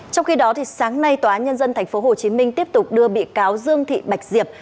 trong khi đó sáng nay tòa án nhân dân tp hcm tiếp tục đưa bị cáo dương thị bạch diệp